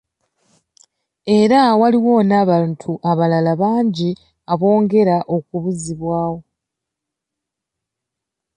Era waliwo n'abantu abalala bangi abongera okubuzibwawo.